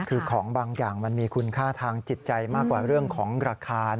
คือของบางอย่างมันมีคุณค่าทางจิตใจมากกว่าเรื่องของราคา